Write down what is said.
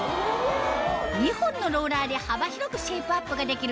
２本のローラーで幅広くシェイプアップができる